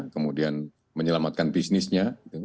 kemudian menyelamatkan bisnisnya